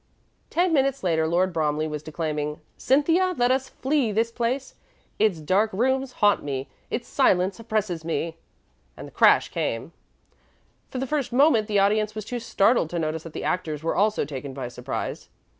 Ten minutes later Lord Bromley was declaiming: "Cynthia, let us flee this place. Its dark rooms haunt me; its silence oppresses me " And the crash came. For the first moment the audience was too startled to notice that the actors were also taken by surprise.